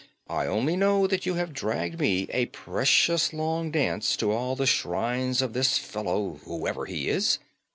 I only know that you have dragged me a precious long dance to all the shrines of this fellow, whoever he is.